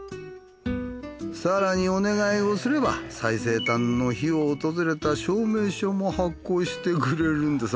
更にお願いをすれば最西端の碑を訪れた証明書も発行してくれるんです。